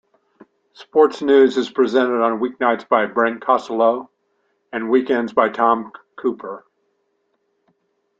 Sports news is presented on weeknights by Brent Costelloe and weekends by Tom Cooper.